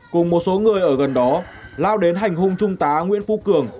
cùng một số người ở gần đó lao đến hành hung trung tá nguyễn phu cường